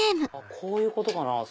こういうことかな？